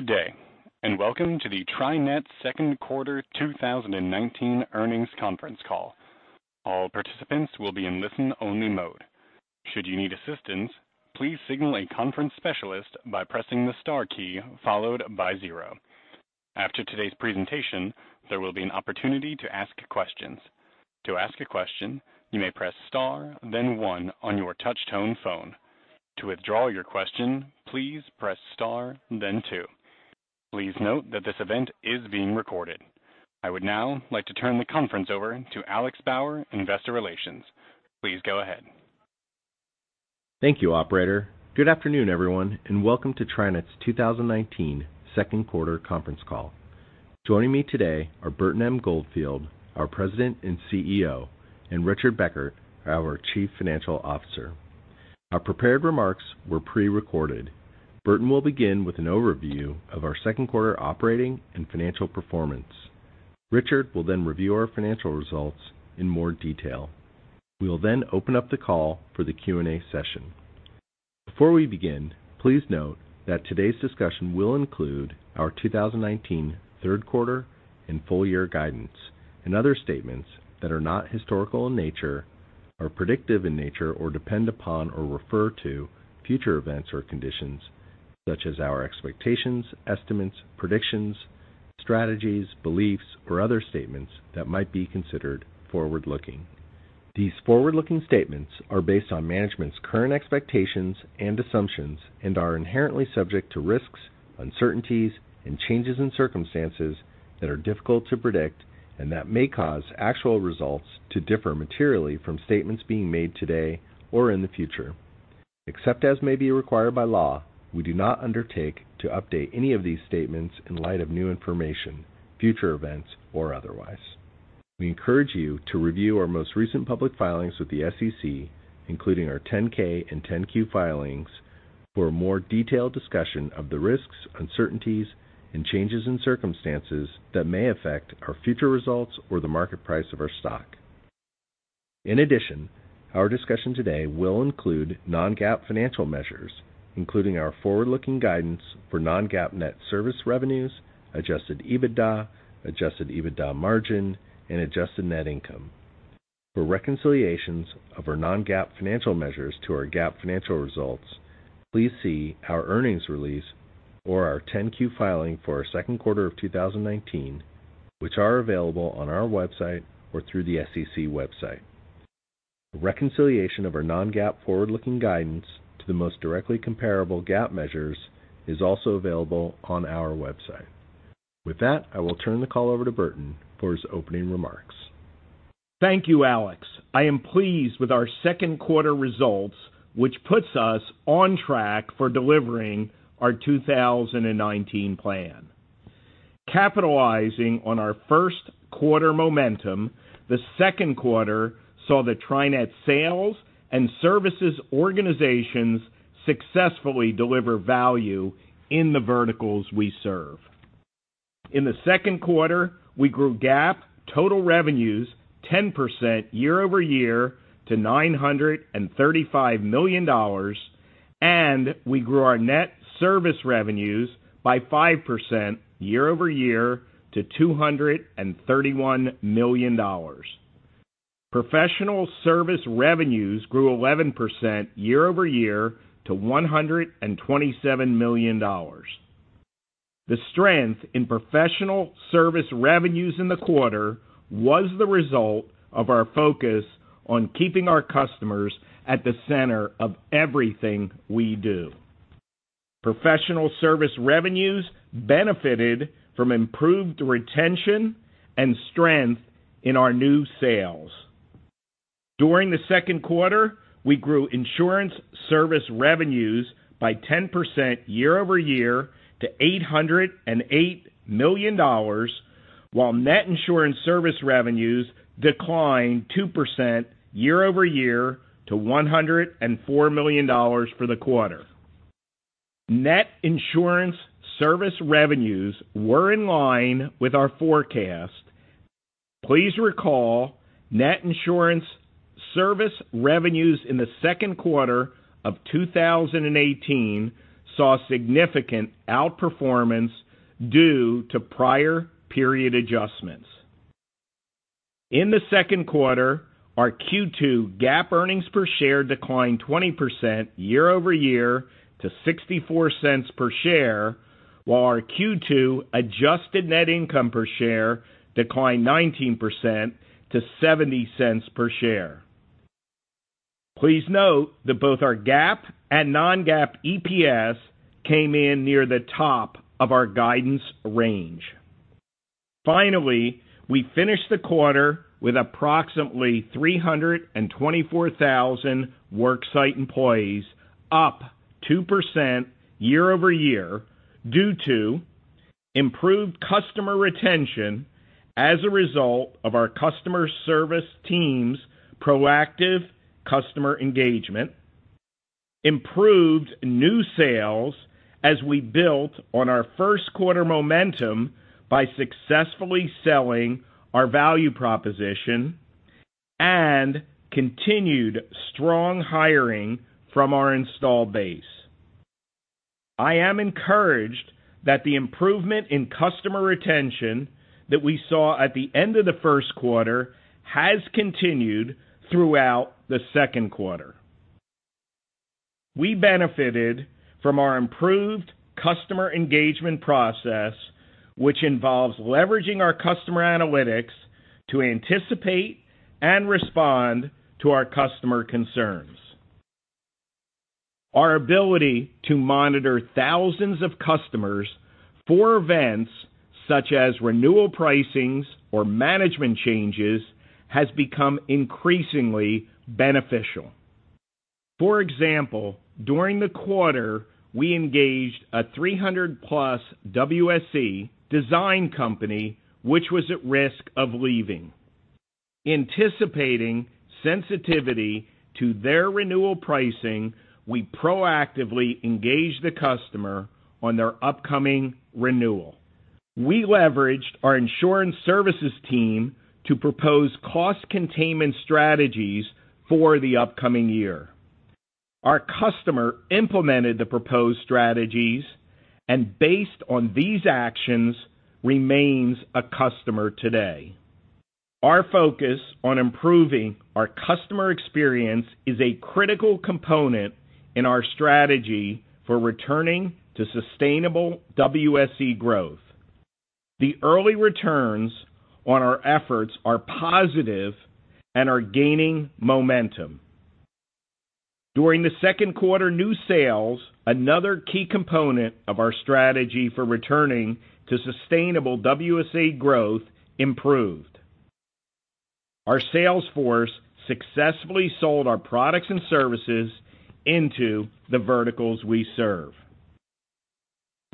Good day, welcome to the TriNet second quarter 2019 earnings conference call. All participants will be in listen-only mode. Should you need assistance, please signal a conference specialist by pressing the star key followed by 0. After today's presentation, there will be an opportunity to ask questions. To ask a question, you may press star then 1 on your touch tone phone. To withdraw your question, please press star then 2. Please note that this event is being recorded. I would now like to turn the conference over to Alex Bauer, Investor Relations. Please go ahead. Thank you, operator. Good afternoon, everyone, and welcome to TriNet's 2019 second quarter conference call. Joining me today are Burton M. Goldfield, our President and CEO, and Richard Beckert, our Chief Financial Officer. Our prepared remarks were pre-recorded. Burton will begin with an overview of our second quarter operating and financial performance. Richard will then review our financial results in more detail. We will then open up the call for the Q&A session. Before we begin, please note that today's discussion will include our 2019 third quarter and full year guidance, and other statements that are not historical in nature, are predictive in nature, or depend upon or refer to future events or conditions, such as our expectations, estimates, predictions, strategies, beliefs, or other statements that might be considered forward-looking. These forward-looking statements are based on management's current expectations and assumptions and are inherently subject to risks, uncertainties, and changes in circumstances that are difficult to predict and that may cause actual results to differ materially from statements being made today or in the future. Except as may be required by law, we do not undertake to update any of these statements in light of new information, future events, or otherwise. We encourage you to review our most recent public filings with the SEC, including our 10-K and 10-Q filings, for a more detailed discussion of the risks, uncertainties, and changes in circumstances that may affect our future results or the market price of our stock. In addition, our discussion today will include non-GAAP financial measures, including our forward-looking guidance for non-GAAP net service revenues, adjusted EBITDA, adjusted EBITDA margin, and adjusted net income. For reconciliations of our non-GAAP financial measures to our GAAP financial results, please see our earnings release or our 10-Q filing for our second quarter of 2019, which are available on our website or through the SEC website. A reconciliation of our non-GAAP forward-looking guidance to the most directly comparable GAAP measures is also available on our website. With that, I will turn the call over to Burton for his opening remarks. Thank you, Alex. I am pleased with our second quarter results, which puts us on track for delivering our 2019 plan. Capitalizing on our first quarter momentum, the second quarter saw the TriNet sales and services organizations successfully deliver value in the verticals we serve. In the second quarter, we grew GAAP total revenues 10% year-over-year to $935 million, and we grew our net service revenues by 5% year-over-year to $231 million. Professional Service Revenues grew 11% year-over-year to $127 million. The strength in Professional Service Revenues in the quarter was the result of our focus on keeping our customers at the center of everything we do. Professional Service Revenues benefited from improved retention and strength in our new sales. During the second quarter, we grew insurance service revenues by 10% year-over-year to $808 million, while net insurance service revenues declined 2% year-over-year to $104 million for the quarter. Net insurance service revenues were in line with our forecast. Please recall, net insurance service revenues in the second quarter of 2018 saw significant outperformance due to prior period adjustments. In the second quarter, our Q2 GAAP earnings per share declined 20% year-over-year to $0.64 per share, while our Q2 adjusted net income per share declined 19% to $0.70 per share. Please note that both our GAAP and non-GAAP EPS came in near the top of our guidance range. Finally, we finished the quarter with approximately 324,000 worksite employees, up 2% year-over-year due to improved customer retention as a result of our customer service team's proactive customer engagement, improved new sales as we built on our first quarter momentum by successfully selling our value proposition and continued strong hiring from our install base. I am encouraged that the improvement in customer retention that we saw at the end of the first quarter has continued throughout the second quarter. We benefited from our improved customer engagement process, which involves leveraging our customer analytics to anticipate and respond to our customer concerns. Our ability to monitor thousands of customers for events such as renewal pricings or management changes has become increasingly beneficial. For example, during the quarter, we engaged a 300-plus WSE design company, which was at risk of leaving. Anticipating sensitivity to their renewal pricing, we proactively engaged the customer on their upcoming renewal. We leveraged our insurance services team to propose cost containment strategies for the upcoming year. Our customer implemented the proposed strategies and, based on these actions, remains a customer today. Our focus on improving our customer experience is a critical component in our strategy for returning to sustainable WSE growth. The early returns on our efforts are positive and are gaining momentum. During the second quarter, new sales, another key component of our strategy for returning to sustainable WSE growth, improved. Our sales force successfully sold our products and services into the verticals we serve.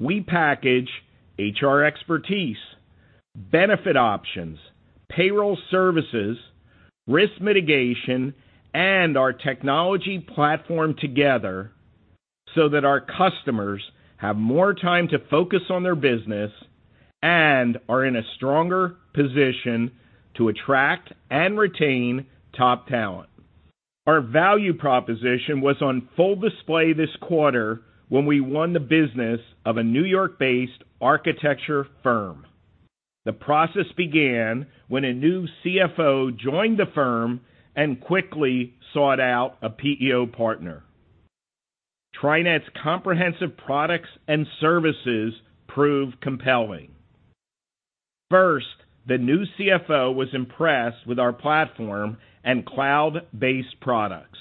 We package HR expertise, benefit options, payroll services, risk mitigation, and our technology platform together so that our customers have more time to focus on their business and are in a stronger position to attract and retain top talent. Our value proposition was on full display this quarter when we won the business of a New York-based architecture firm. The process began when a new CFO joined the firm and quickly sought out a PEO partner. TriNet's comprehensive products and services proved compelling. First, the new CFO was impressed with our platform and cloud-based products.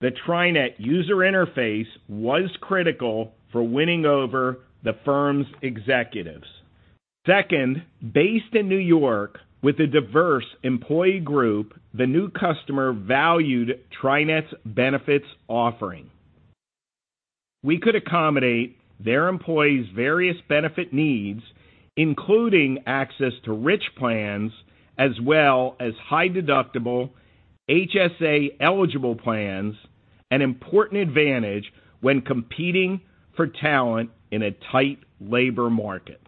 The TriNet user interface was critical for winning over the firm's executives. Second, based in New York with a diverse employee group, the new customer valued TriNet's benefits offering. We could accommodate their employees' various benefit needs, including access to rich plans as well as high-deductible HSA-eligible plans, an important advantage when competing for talent in a tight labor market.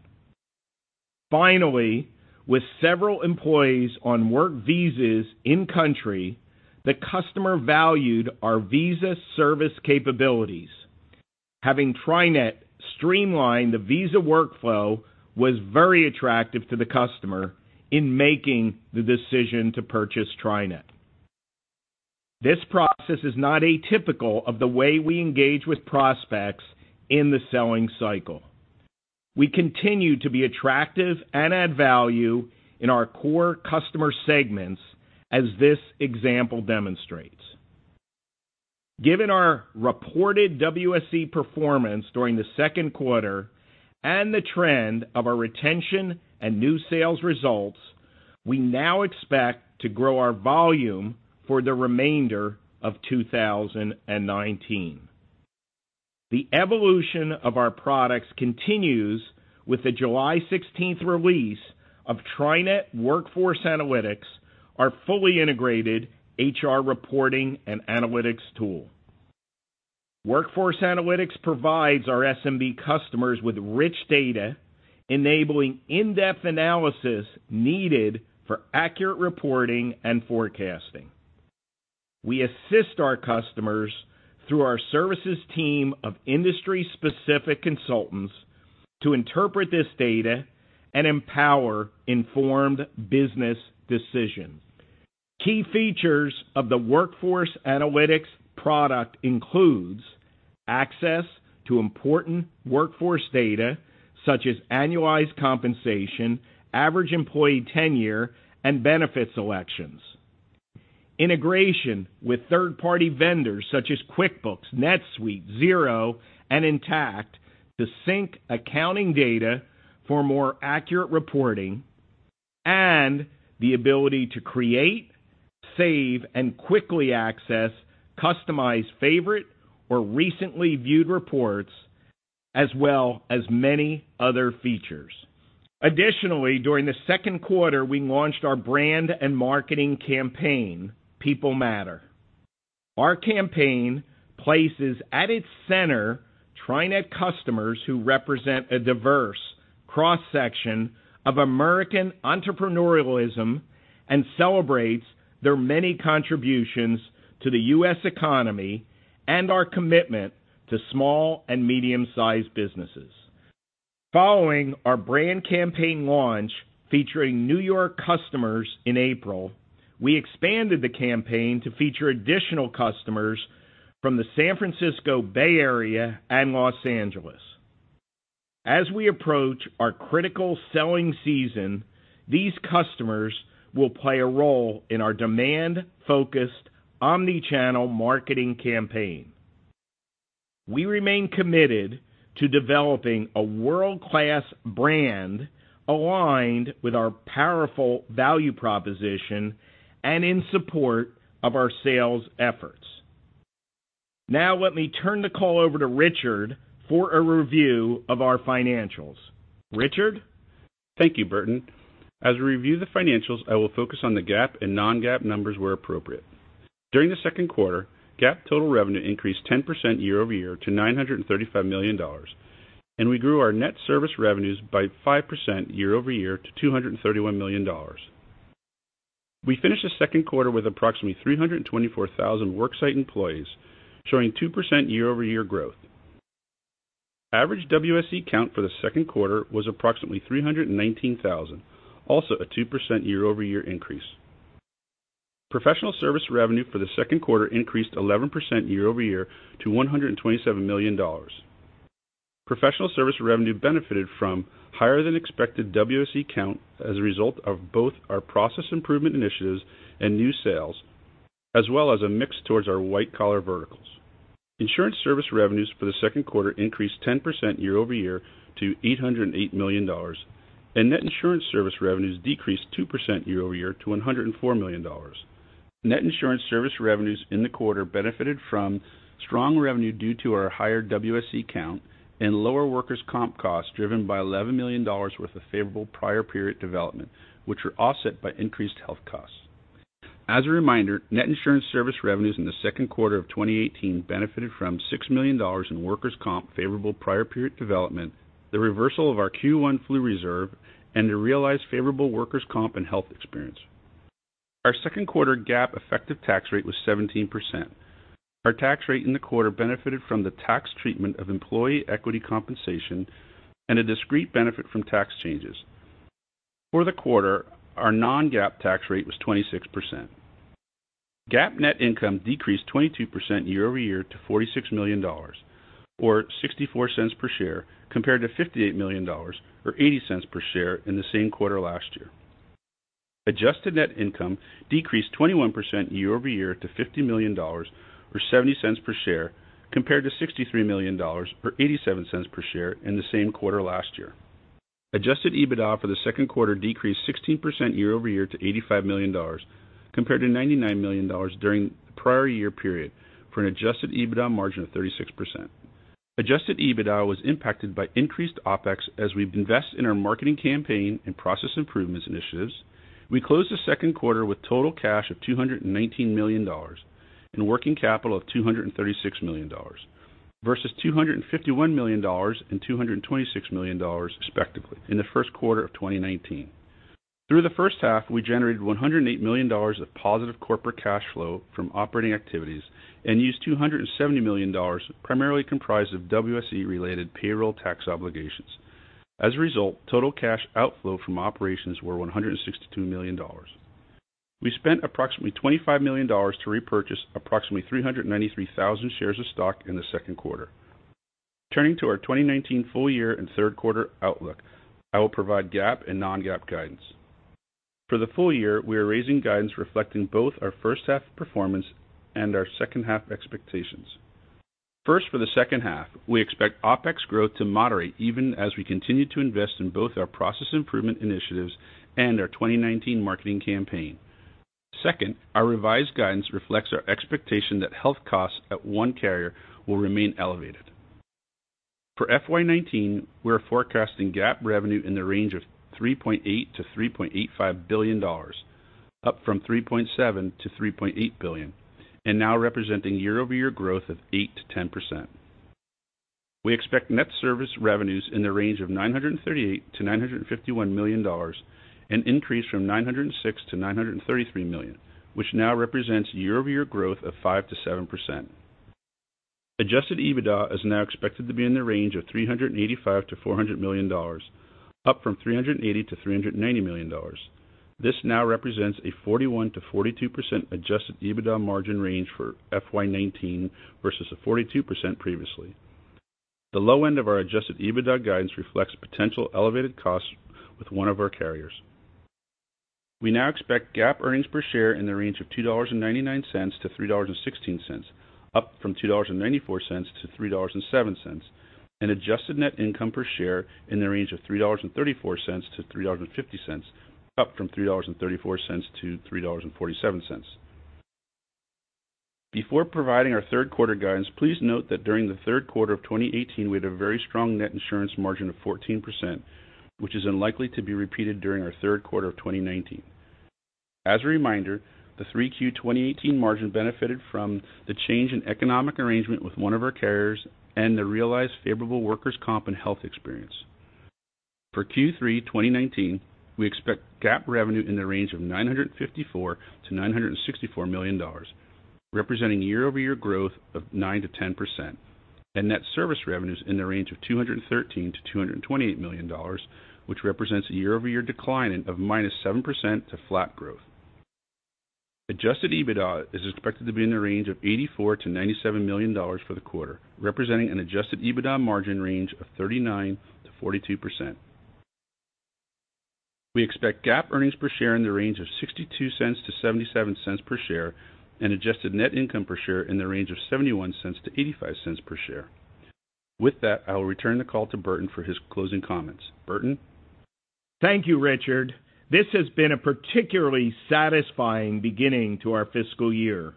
Finally, with several employees on work visas in country, the customer valued our visa service capabilities. Having TriNet streamline the visa workflow was very attractive to the customer in making the decision to purchase TriNet. This process is not atypical of the way we engage with prospects in the selling cycle. We continue to be attractive and add value in our core customer segments, as this example demonstrates. Given our reported WSE performance during the second quarter and the trend of our retention and new sales results, we now expect to grow our volume for the remainder of 2019. The evolution of our products continues with the July 16th release of TriNet Workforce Analytics, our fully integrated HR reporting and analytics tool. Workforce Analytics provides our SMB customers with rich data, enabling in-depth analysis needed for accurate reporting and forecasting. We assist our customers through our services team of industry-specific consultants to interpret this data and empower informed business decisions. Key features of the Workforce Analytics product includes access to important workforce data such as annualized compensation, average employee tenure, and benefit selections, integration with third-party vendors such as QuickBooks, NetSuite, Xero, and Intacct to sync accounting data for more accurate reporting, and the ability to create, save, and quickly access customized favorite or recently viewed reports, as well as many other features. Additionally, during the second quarter, we launched our brand and marketing campaign, People Matter. Our campaign places at its center TriNet customers who represent a diverse cross-section of American entrepreneurialism and celebrates their many contributions to the U.S. economy and our commitment to small and medium-sized businesses. Following our brand campaign launch featuring New York customers in April, we expanded the campaign to feature additional customers from the San Francisco Bay Area and Los Angeles. As we approach our critical selling season, these customers will play a role in our demand-focused omni-channel marketing campaign. We remain committed to developing a world-class brand aligned with our powerful value proposition and in support of our sales efforts. Now let me turn the call over to Richard for a review of our financials. Richard? Thank you, Burton. As we review the financials, I will focus on the GAAP and non-GAAP numbers where appropriate. During the second quarter, GAAP total revenue increased 10% year-over-year to $935 million, and we grew our net service revenues by 5% year-over-year to $231 million. We finished the second quarter with approximately 324,000 worksite employees, showing 2% year-over-year growth. Average WSE count for the second quarter was approximately 319,000, also a 2% year-over-year increase. Professional service revenue for the second quarter increased 11% year-over-year to $127 million. Professional service revenue benefited from higher than expected WSE count as a result of both our process improvement initiatives and new sales, as well as a mix towards our white collar verticals. Insurance service revenues for the second quarter increased 10% year-over-year to $808 million. Net insurance service revenues decreased 2% year-over-year to $104 million. Net insurance service revenues in the quarter benefited from strong revenue due to our higher WSE count and lower workers' comp costs, driven by $11 million worth of favorable prior period development, which were offset by increased health costs. As a reminder, net insurance service revenues in the second quarter of 2018 benefited from $6 million in workers' comp favorable prior period development, the reversal of our Q1 flu reserve, and the realized favorable workers' comp and health experience. Our second quarter GAAP effective tax rate was 17%. Our tax rate in the quarter benefited from the tax treatment of employee equity compensation and a discrete benefit from tax changes. For the quarter, our non-GAAP tax rate was 26%. GAAP net income decreased 22% year-over-year to $46 million, or $0.64 per share, compared to $58 million, or $0.80 per share in the same quarter last year. Adjusted net income decreased 21% year-over-year to $50 million, or $0.70 per share, compared to $63 million, or $0.87 per share in the same quarter last year. Adjusted EBITDA for the second quarter decreased 16% year-over-year to $85 million, compared to $99 million during the prior year period, for an adjusted EBITDA margin of 36%. Adjusted EBITDA was impacted by increased OpEx as we've invested in our marketing campaign and process improvements initiatives. We closed the second quarter with total cash of $219 million and working capital of $236 million versus $251 million and $226 million respectively in the first quarter of 2019. Through the first half, we generated $108 million of positive corporate cash flow from operating activities and used $270 million, primarily comprised of WSE related payroll tax obligations. Total cash outflow from operations were $162 million. We spent approximately $25 million to repurchase approximately 393,000 shares of stock in the second quarter. Turning to our 2019 full year and third quarter outlook, I will provide GAAP and non-GAAP guidance. For the full year, we are raising guidance reflecting both our first half performance and our second half expectations. First, for the second half, we expect OpEx growth to moderate even as we continue to invest in both our process improvement initiatives and our 2019 marketing campaign. Second, our revised guidance reflects our expectation that health costs at one carrier will remain elevated. For FY19, we're forecasting GAAP revenue in the range of $3.8 billion-$3.85 billion, up from $3.7 billion-$3.8 billion, and now representing year-over-year growth of 8%-10%. We expect net service revenues in the range of $938 million-$951 million, an increase from $906 million-$933 million, which now represents year-over-year growth of 5%-7%. adjusted EBITDA is now expected to be in the range of $385 million-$400 million, up from $380 million-$390 million. This now represents a 41%-42% adjusted EBITDA margin range for FY19 versus a 42% previously. The low end of our adjusted EBITDA guidance reflects potential elevated costs with one of our carriers. We now expect GAAP earnings per share in the range of $2.99-$3.16, up from $2.94-$3.07, and adjusted net income per share in the range of $3.34-$3.50, up from $3.34-$3.47. Before providing our third quarter guidance, please note that during the third quarter of 2018, we had a very strong net insurance margin of 14%, which is unlikely to be repeated during our third quarter of 2019. As a reminder, the 3Q 2018 margin benefited from the change in economic arrangement with one of our carriers and the realized favorable workers' comp and health experience. For Q3 2019, we expect GAAP revenue in the range of $954 million-$964 million, representing year-over-year growth of 9%-10%, and net service revenues in the range of $213 million-$228 million, which represents a year-over-year decline of -7% to flat growth. adjusted EBITDA is expected to be in the range of $84 million-$97 million for the quarter, representing an adjusted EBITDA margin range of 39%-42%. We expect GAAP earnings per share in the range of $0.62-$0.77 per share and adjusted net income per share in the range of $0.71-$0.85 per share. With that, I will return the call to Burton for his closing comments. Burton? Thank you, Richard. This has been a particularly satisfying beginning to our fiscal year.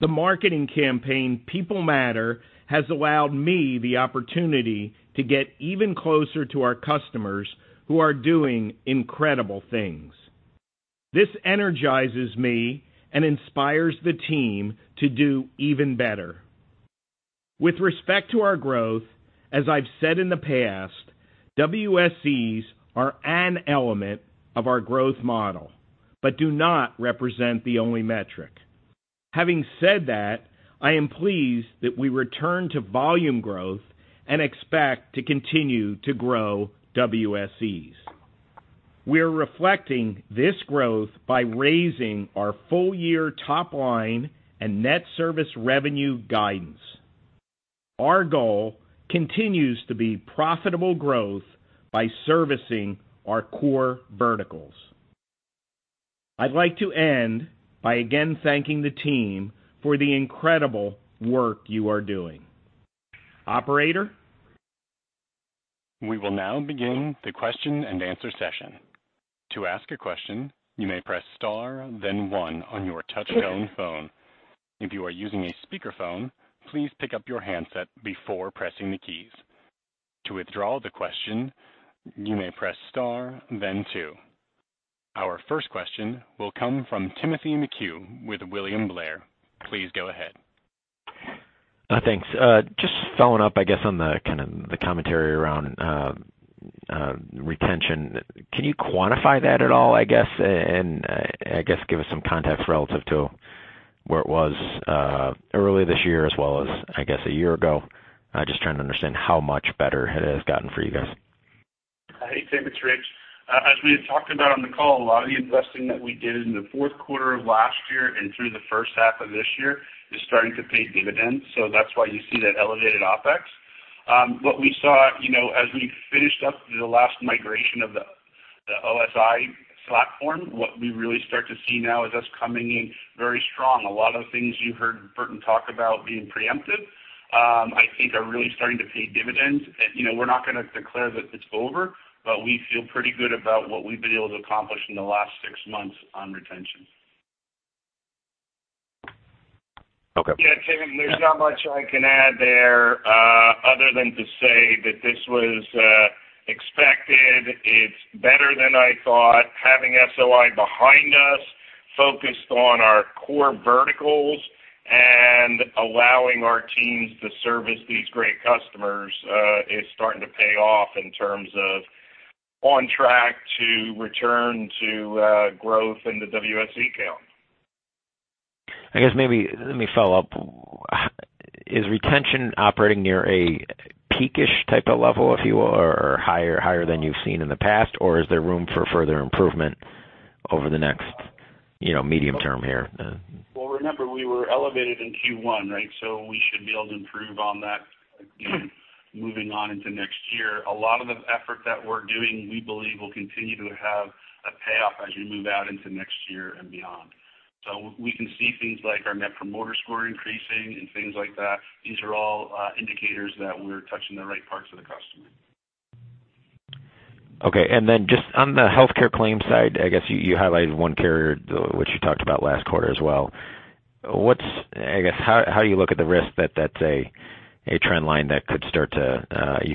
The marketing campaign, People Matter, has allowed me the opportunity to get even closer to our customers who are doing incredible things. This energizes me and inspires the team to do even better. With respect to our growth, as I've said in the past, WSEs are an element of our growth model, but do not represent the only metric. Having said that, I am pleased that we return to volume growth and expect to continue to grow WSEs. We are reflecting this growth by raising our full-year top-line and net service revenues guidance. Our goal continues to be profitable growth by servicing our core verticals. I'd like to end by again thanking the team for the incredible work you are doing. Operator? We will now begin the question and answer session. To ask a question, you may press star then one on your touchtone phone. If you are using a speakerphone, please pick up your handset before pressing the keys. To withdraw the question, you may press star then two. Our first question will come from Timothy McHugh with William Blair. Please go ahead. Thanks. Just following up, I guess, on the commentary around retention, can you quantify that at all, I guess? I guess give us some context relative to where it was earlier this year as well as, I guess, a year ago. Just trying to understand how much better it has gotten for you guys. Tim. It's Rich. We had talked about on the call, a lot of the investing that we did in the fourth quarter of last year and through the first half of this year is starting to pay dividends. That's why you see that elevated OpEx. What we saw as we finished up the last migration of the SOI platform, what we really start to see now is us coming in very strong. A lot of things you heard Burton talk about being preemptive, I think are really starting to pay dividends. We're not going to declare that it's over, we feel pretty good about what we've been able to accomplish in the last six months on retention. Okay. Yeah, Tim, there's not much I can add there other than to say that this was expected. It's better than I thought. Having SOI behind us focused on our core verticals and allowing our teams to service these great customers is starting to pay off in terms of on track to return to growth in the WSE count. I guess maybe let me follow up. Is retention operating near a peak-ish type of level, if you will, or higher than you've seen in the past? Is there room for further improvement over the next medium term here? Well, remember, we were elevated in Q1, right? We should be able to improve on that again, moving on into next year. A lot of the effort that we're doing, we believe, will continue to have a payoff as we move out into next year and beyond. We can see things like our Net Promoter Score increasing and things like that. These are all indicators that we're touching the right parts of the customer. Okay. Just on the healthcare claim side, I guess you highlighted one carrier, which you talked about last quarter as well. How do you look at the risk that that's a trend line that you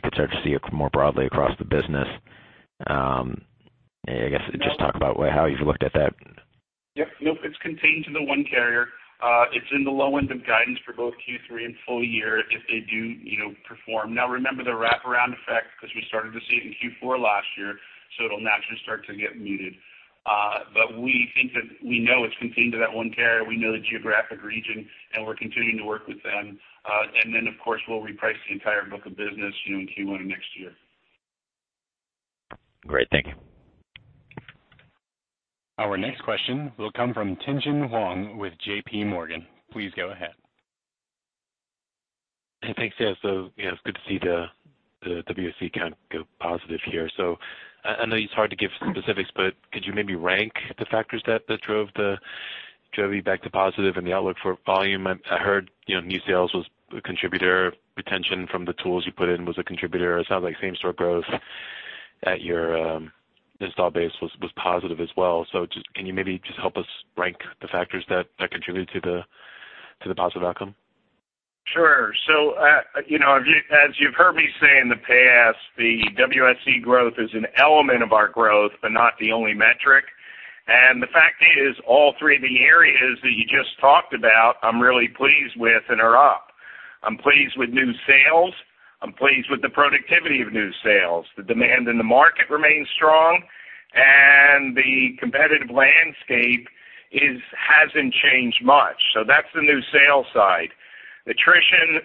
could start to see more broadly across the business? I guess just talk about how you've looked at that. Yep. Nope, it's contained to the one carrier. It's in the low end of guidance for both Q3 and full year if they do perform. Now, remember the wraparound effect, because we started to see it in Q4 last year, so it'll naturally start to get muted. We know it's contained to that one carrier. We know the geographic region, and we're continuing to work with them. Of course, we'll reprice the entire book of business in Q1 of next year. Great. Thank you. Our next question will come from Tien-tsin Huang with J.P. Morgan. Please go ahead. Thanks. Yeah, it's good to see the WSE count go positive here. I know it's hard to give specifics, but could you maybe rank the factors that drove you back to positive and the outlook for volume? I heard new sales was a contributor, retention from the tools you put in was a contributor. It sounds like same-store growth at your install base was positive as well. Can you maybe just help us rank the factors that contribute to the positive outcome? Sure. As you've heard me say in the past, the WSE growth is an element of our growth, but not the only metric. The fact is, all three of the areas that you just talked about, I'm really pleased with and are up. I'm pleased with new sales. I'm pleased with the productivity of new sales. The demand in the market remains strong, and the competitive landscape hasn't changed much. That's the new sales side. Attrition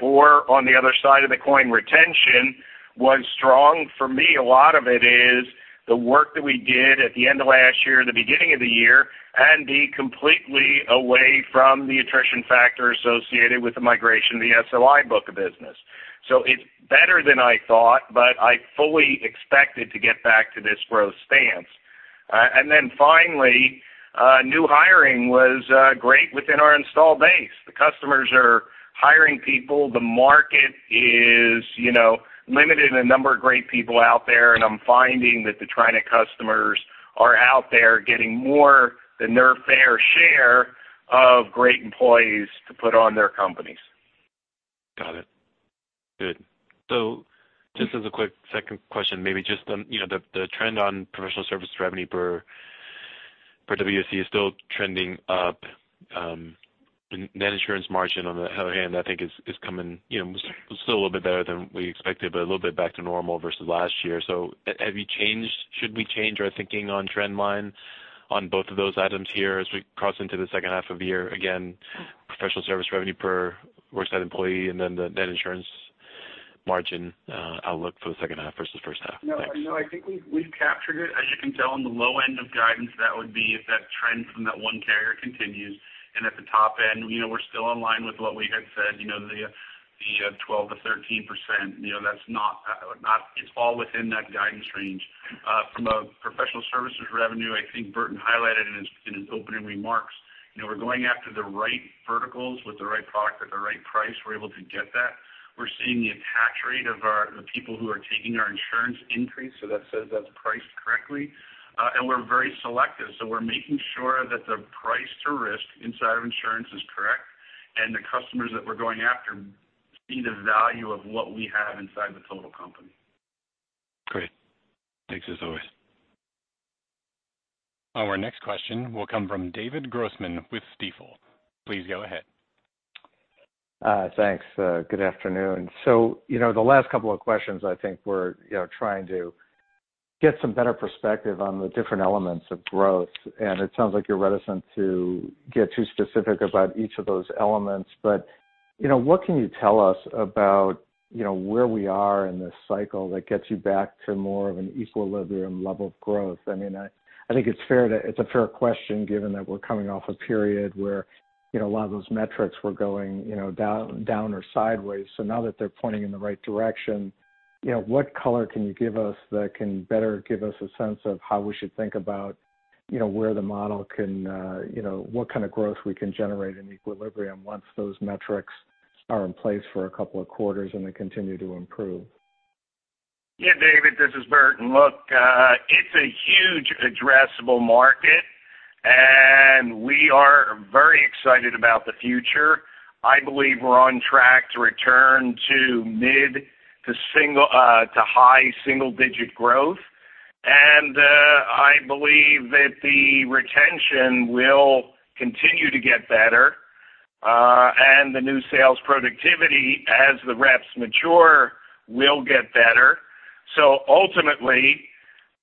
or on the other side of the coin, retention, was strong for me. A lot of it is the work that we did at the end of last year, the beginning of the year, and be completely away from the attrition factor associated with the migration of the SOI book of business. It's better than I thought, but I fully expected to get back to this growth stance. Finally, new hiring was great within our installed base. The customers are hiring people. The market is limited in the number of great people out there, and I'm finding that the TriNet customers are out there getting more than their fair share of great employees to put on their companies. Got it. Good. Just as a quick second question, maybe just the trend on professional service revenue per WSE is still trending up. Net insurance margin, on the other hand, I think is still a little bit better than we expected, but a little bit back to normal versus last year. Have you changed? Should we change our thinking on trend line on both of those items here as we cross into the second half of the year? Again, professional service revenue per worksite employee and then the net insurance margin outlook for the second half versus first half. Thanks. No, I think we've captured it. As you can tell on the low end of guidance, that would be if that trend from that one carrier continues. At the top end, we're still in line with what we had said, the 12%-13%. It's all within that guidance range. From a professional services revenue, I think Burton highlighted in his opening remarks, we're going after the right verticals with the right product at the right price. We're able to get that. We're seeing the attach rate of the people who are taking our insurance increase, so that says that's priced correctly. We're very selective, so we're making sure that the price to risk inside of insurance is correct, and the customers that we're going after see the value of what we have inside the total company. Great. Thanks as always. Our next question will come from David Grossman with Stifel. Please go ahead. Thanks. Good afternoon. The last couple of questions, I think, were trying to get some better perspective on the different elements of growth. It sounds like you're reticent to get too specific about each of those elements. What can you tell us about where we are in this cycle that gets you back to more of an equilibrium level of growth? I think it's a fair question given that we're coming off a period where a lot of those metrics were going down or sideways. Now that they're pointing in the right direction, what color can you give us that can better give us a sense of how we should think about where the model can-- what kind of growth we can generate in equilibrium once those metrics are in place for a couple of quarters and they continue to improve? Yeah, David, this is Burton. Look, it's a huge addressable market, and we are very excited about the future. I believe we're on track to return to mid to high single-digit growth, and I believe that the retention will continue to get better, and the new sales productivity as the reps mature will get better. Ultimately,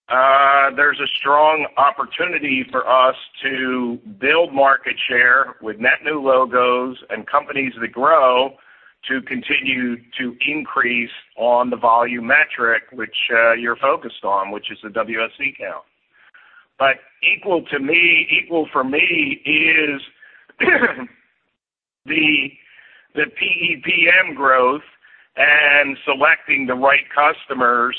there's a strong opportunity for us to build market share with net new logos and companies that grow to continue to increase on the volume metric, which you're focused on, which is the WSE count. Equal for me is the PEPM growth and selecting the right customers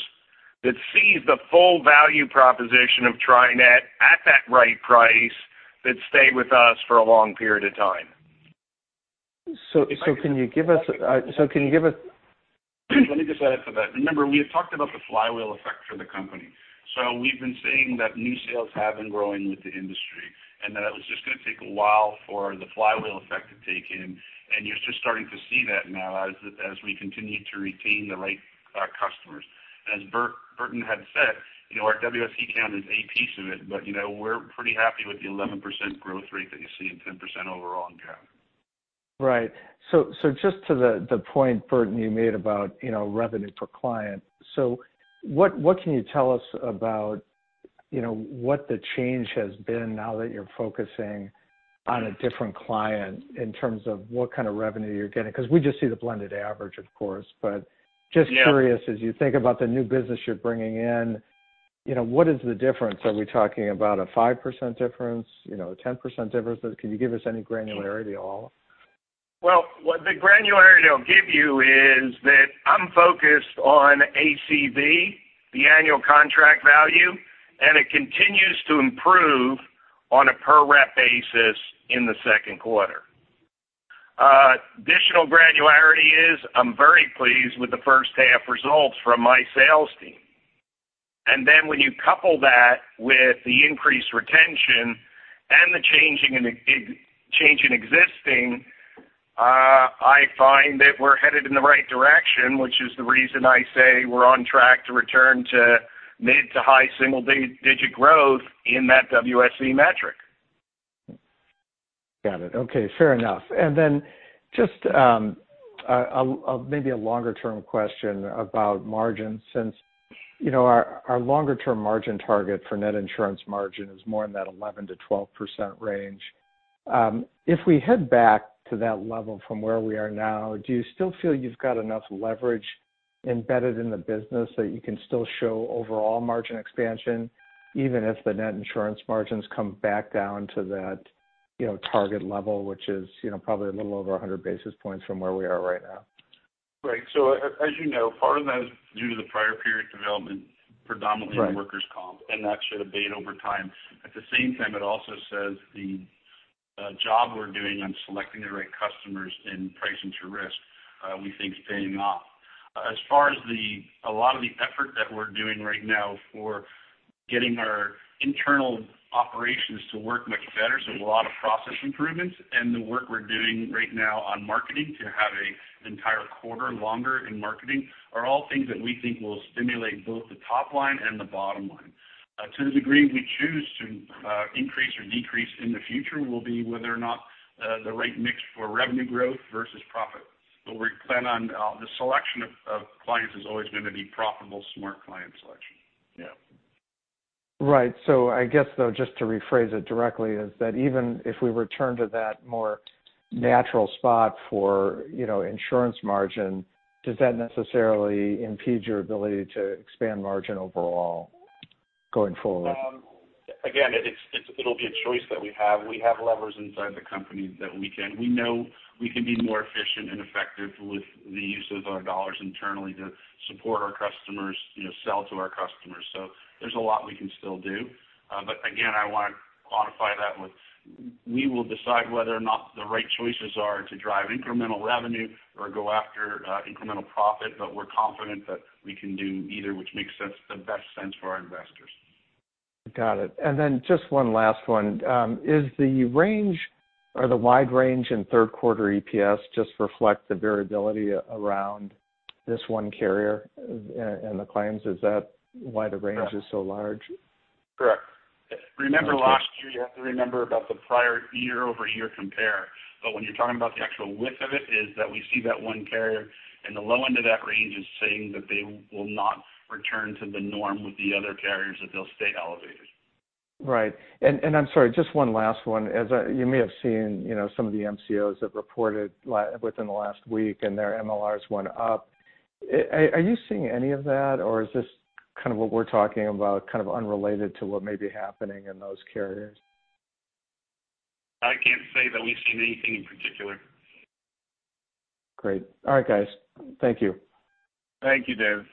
that sees the full value proposition of TriNet at that right price that stay with us for a long period of time. Can you give us-? Let me just add to that. Remember, we had talked about the flywheel effect for the company. We've been saying that new sales have been growing with the industry, and that it was just going to take a while for the flywheel effect to take in. You're just starting to see that now as we continue to retain the right customers. As Burton had said, our WSE count is a piece of it, but we're pretty happy with the 11% growth rate that you see and 10% overall in count. Right. Just to the point, Burton, you made about revenue per client. What can you tell us about what the change has been now that you're focusing on a different client in terms of what kind of revenue you're getting? Because we just see the blended average, of course. Just curious, as you think about the new business you're bringing in, what is the difference? Are we talking about a 5% difference, a 10% difference? Can you give us any granularity at all? Well, the granularity I'll give you is that I'm focused on ACV, the annual contract value, and it continues to improve on a per rep basis in the second quarter. Additional granularity is I'm very pleased with the first half results from my sales team. When you couple that with the increased retention and the change in existing, I find that we're headed in the right direction, which is the reason I say we're on track to return to mid to high single digit growth in that WSE metric. Got it. Okay, fair enough. Just maybe a longer-term question about margins, since our longer-term margin target for net insurance margin is more in that 11%-12% range. If we head back to that level from where we are now, do you still feel you've got enough leverage embedded in the business that you can still show overall margin expansion, even if the net insurance margins come back down to that target level, which is probably a little over 100 basis points from where we are right now? Right. As you know, part of that is due to the prior period development predominantly in workers' comp, and that should abate over time. At the same time, it also says the job we're doing on selecting the right customers and pricing to risk, we think is paying off. As far as a lot of the effort that we're doing right now for getting our internal operations to work much better, so a lot of process improvements, and the work we're doing right now on marketing to have an entire quarter longer in marketing are all things that we think will stimulate both the top line and the bottom line. To the degree we choose to increase or decrease in the future will be whether or not the right mix for revenue growth versus profit. We plan on the selection of clients has always been to be profitable, smart client selection. Right. I guess though, just to rephrase it directly, is that even if we return to that more natural spot for insurance margin, does that necessarily impede your ability to expand margin overall going forward? It'll be a choice that we have. We have levers inside the company that we know we can be more efficient and effective with the use of our dollars internally to support our customers, sell to our customers. There's a lot we can still do. Again, I want to quantify that with, we will decide whether or not the right choices are to drive incremental revenue or go after incremental profit. We're confident that we can do either, which makes the best sense for our investors. Got it. Then just one last one. Is the range or the wide range in third quarter EPS just reflect the variability around this one carrier and the claims? Is that why the range is so large? Correct. Remember last year, you have to remember about the prior year-over-year compare. When you're talking about the actual width of it, is that we see that one carrier, and the low end of that range is saying that they will not return to the norm with the other carriers, that they'll stay elevated. Right. I'm sorry, just one last one. As you may have seen, some of the MCOs have reported within the last week and their MLRs went up. Are you seeing any of that, or is this kind of what we're talking about kind of unrelated to what may be happening in those carriers? I can't say that we've seen anything in particular. Great. All right, guys. Thank you. Thank you, David.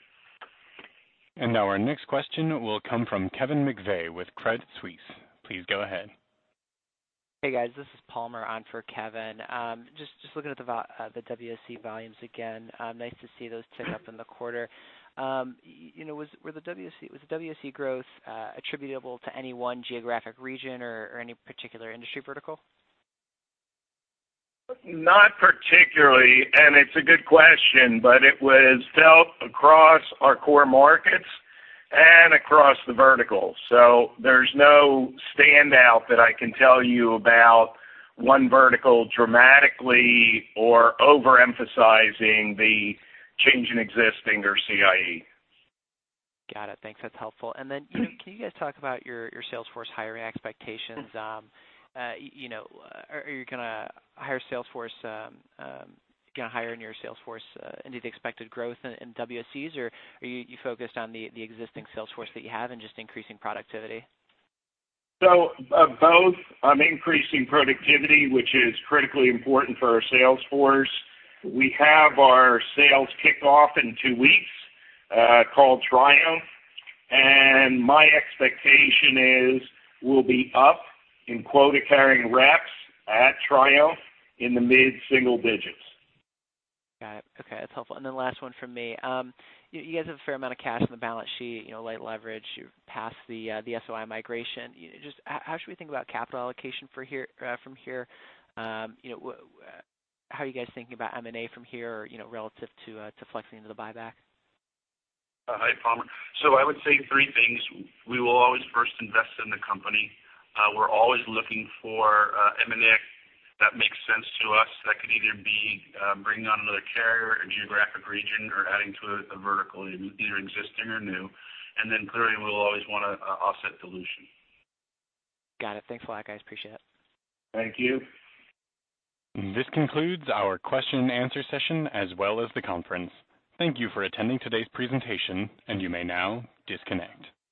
Now our next question will come from Kevin McVeigh with Credit Suisse. Please go ahead. Hey, guys. This is Palmer on for Kevin. Just looking at the WSE volumes again, nice to see those tick up in the quarter. Was the WSE growth attributable to any one geographic region or any particular industry vertical? Not particularly. It's a good question. It was felt across our core markets and across the verticals. There's no standout that I can tell you about one vertical dramatically or overemphasizing the change in existing or CIE. Got it. Thanks. That's helpful. and then, can you guys talk about your sales force hiring expectations? Are you going to hire in your sales force any of the expected growth in WSEs, or are you focused on the existing sales force that you have and just increasing productivity? Both on increasing productivity, which is critically important for our sales force. We have our sales kickoff in two weeks, called Triumph. My expectation is we'll be up in quota-carrying reps at Triumph in the mid-single digits. Got it. Okay. That's helpful. Last one from me. You guys have a fair amount of cash on the balance sheet, light leverage, you've passed the SOI migration. Just how should we think about capital allocation from here? How are you guys thinking about M&A from here relative to flexing into the buyback? Hi, Palmer. I would say three things. We will always first invest in the company. We're always looking for M&A that makes sense to us. That could either be bringing on another carrier, a geographic region, or adding to a vertical in either existing or new. Clearly, we'll always want to offset dilution. Got it. Thanks a lot, guys. Appreciate it. Thank you. This concludes our question and answer session, as well as the conference. Thank you for attending today's presentation. You may now disconnect.